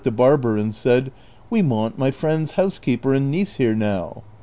269 the barber and said, " We want my friend's housekeeper and niece here now."